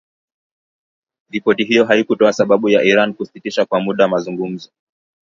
Ripoti hiyo haikutoa sababu ya Iran kusitisha kwa muda mazungumzo.